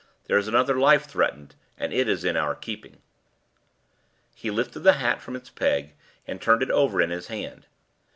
There is another life threatened, and it is in our keeping." He lifted the hat from its peg, and turned it over in his hand.